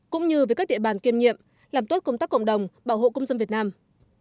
cũng như với các địa bàn kiêm nhiệm làm tốt công tác cộng đồng bảo hộ công dân việt nam